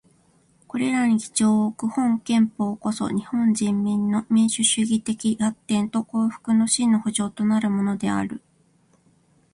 これらに基調をおく本憲法こそ、日本人民の民主主義的発展と幸福の真の保障となるものである。